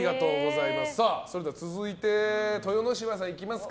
続いて、豊ノ島さんいきますか。